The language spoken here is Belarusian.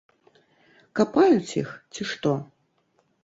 Капаюць іх, ці што?